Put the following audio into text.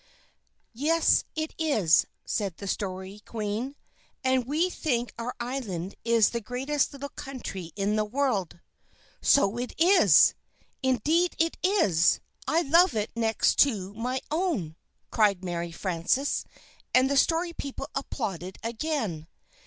"Yes, it is," said the Story Queen, "and we think our island is the greatest little country in all the world." "So it is! Indeed, it is! I love it next to my own!" cried Mary Frances; and the Story People applauded again.